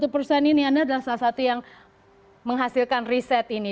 tujuh puluh satu persen ini anda adalah salah satu yang menghasilkan riset ini